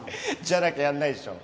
じゃなきゃやんないでしょ。